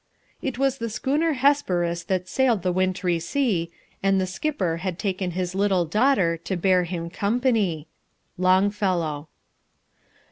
"It was the schooner Hesperus that sailed the wintry sea, And the skipper had taken his little daughter to bear him company." LONGFELLOW.